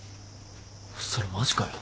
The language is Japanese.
それマジかよ？